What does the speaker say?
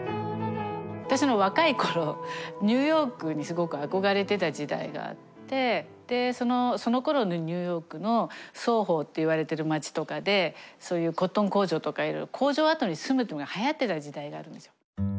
私が若い頃ニューヨークにすごく憧れてた時代があってそのころのニューヨークのソーホーっていわれてる街とかでそういうコットン工場とかいろいろ工場跡に住むのがはやってた時代があるんですよ。